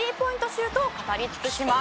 シュートを語り尽くします」